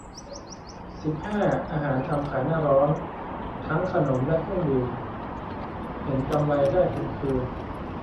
สิบห้า อาหารทำขายหน้าร้อน ทั้งขนมและเครื่องดื่ม เห็นกำไรได้ทุนคืน